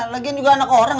lagian juga anak orang